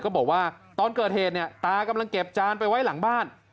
บอกว่าตอนเกิดเหตุเนี่ยตากำลังเก็บจานไปไว้หลังบ้าน